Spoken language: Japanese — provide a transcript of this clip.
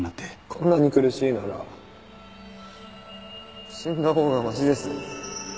こんなに苦しいなら死んだほうがマシです。